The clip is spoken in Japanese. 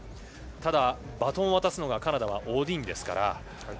ただ、バトンを渡すのはカナダはオディンですから。